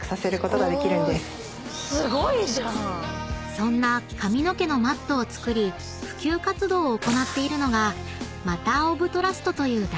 ［そんな髪の毛のマットを作り普及活動を行っているのがマター・オブ・トラストという団体］